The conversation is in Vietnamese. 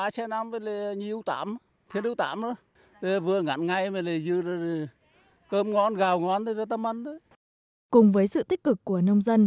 cùng với sự tích cực của nông dân hiện nay nông dân đã tập trung cày đồ ải ruộng